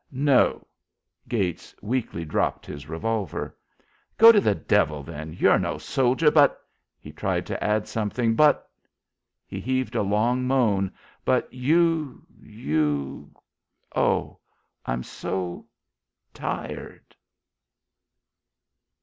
"No." Gates weakly dropped his revolver. "Go to the devil, then. You're no soldier, but " He tried to add something, "But " He heaved a long moan. "But you you oh, I'm so o o tired."